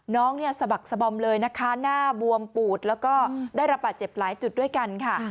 น้องเนี่ยสะบักสบอมเลยนะคะหน้าบวมปูดแล้วก็ได้รับบาดเจ็บหลายจุดด้วยกันค่ะ